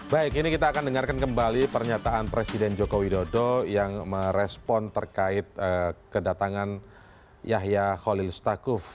baik ini kita akan dengarkan kembali pernyataan presiden joko widodo yang merespon terkait kedatangan yahya holil stakuf